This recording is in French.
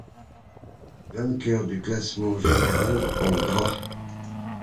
Vainqueur du classement général en gras.